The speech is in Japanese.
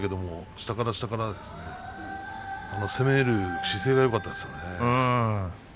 下から下から攻める姿勢がよかったですね。